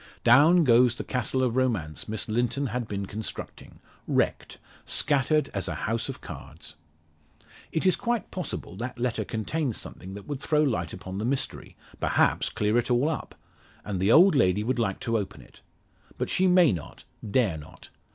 Down goes the castle of romance Miss Linton has been constructing wrecked scattered as a house of cards. It is quite possible that letter contains something that would throw light upon the mystery, perhaps clear all up; and the old lady would like to open it. But she may not, dare not.